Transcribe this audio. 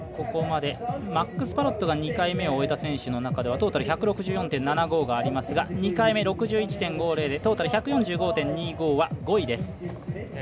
ここまでマックス・パロットが２回目を終えた選手ではトータル１６４．７５がありますが２回目、６１．５０でトータル１４５．２５は５位。